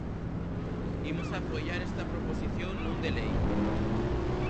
Imos apoiar esta proposición non de lei.